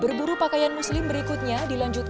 berburu pakaian muslim berikutnya dilakukan oleh muslim